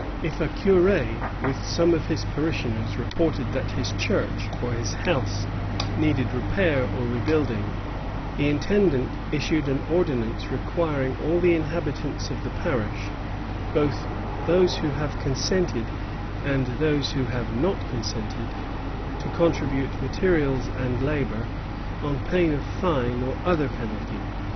If a curd with some of his parishioners reported that his church or his house needed repair or rebuilding, the intendant issued an ordinance requiring all the inhabitants of the parish, "both those who have consented and those who have not consented," to contribute materials and labor, on pain of fine or other penalty.